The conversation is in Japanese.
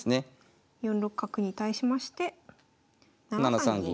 ４六角に対しまして７三銀。